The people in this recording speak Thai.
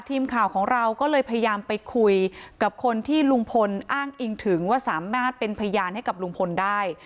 ทีมข่าวของเราก็เลยพยายามไปคุยกับคนที่ลุงพลอ้างอิงถึงว่าสามารถเป็นพยานให้กับลุงพลได้